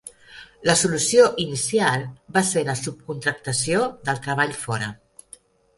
La solució inicial va ser la subcontractació del treball fora.